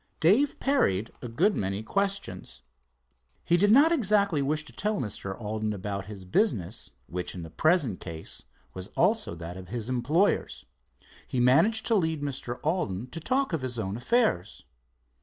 Dave parried a good many questions. He did not exactly wish to tell Mr. Alden about his business, which in the present case was also that of his employers. He managed to lead Mr. Alden to talk of his own affairs.